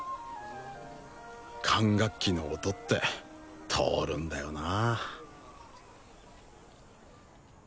管楽器の音って通るんだよな